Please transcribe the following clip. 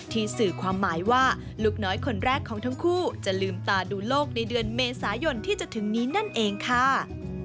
สื่อความหมายว่าลูกน้อยคนแรกของทั้งคู่จะลืมตาดูโลกในเดือนเมษายนที่จะถึงนี้นั่นเองค่ะ